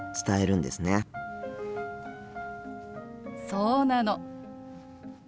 そうなの。